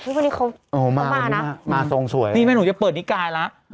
วันนี้เขามานะมาทรงสวยนี่แม่หนูจะเปิดนิกายแล้ว